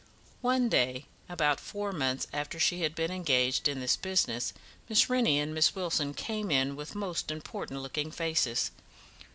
One day, about four months after she had been engaged in this business, Miss Rennie and Miss Wilson came in with most important looking faces.